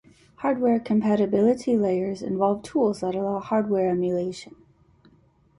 Hardware compatibility layers involve tools that allow hardware emulation.